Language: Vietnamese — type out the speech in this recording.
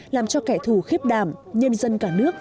làm cho kẻ thù khiếp đảng nhân dân cả nước